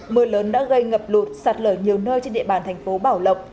mưa lớn đã gây ngập lụt sạt lở nhiều nơi trên địa bàn thành phố bảo lộc